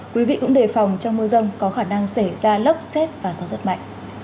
quý vị cũng đề phòng trong mưa rông có khả năng xảy ra lốc xét và gió rất mạnh